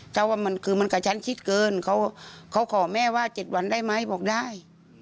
ถ้าว่ามันคือมันกับฉันคิดเกินเขาขอแม่ว่า๗วันได้ไหมบอกได้